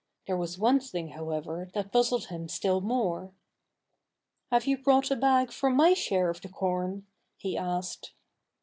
There was one thing, however, that puzzled him still more. "Have you brought a bag for my share of the corn?" he asked.